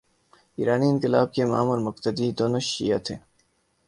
ایرانی انقلاب کے امام اور مقتدی، دونوں شیعہ تھے۔